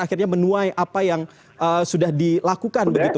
akhirnya menuai apa yang sudah dilakukan begitu